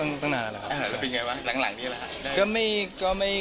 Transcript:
แล้วเป็นยังไงวะหลังนี้ละครับ